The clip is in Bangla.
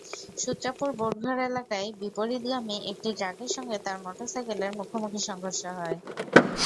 সূত্রাপুর বোর্ডঘর এলাকায় বিপরীতগামী একটি ট্রাকের সঙ্গে তাঁর মোটরসাইকেলের মুখোমুখি সংঘর্ষ হয়।